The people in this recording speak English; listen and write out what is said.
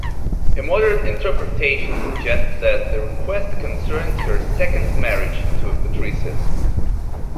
A modern interpretation suggests that the request concerned her second marriage to Patricius.